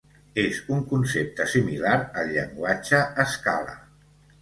És un concepte similar al llenguatge Scala.